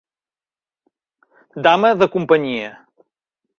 Dama de companyia.